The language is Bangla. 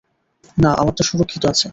না, আমারটা সুরক্ষিত আছে।